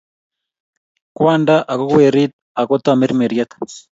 Kwanda ak ko Werit, ak ko Tamirmiriet,